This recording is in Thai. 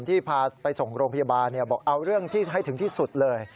ที่พาไปส่งโรงพยาบาลบอกเอาเรื่องที่ให้ถึงที่สุดเลย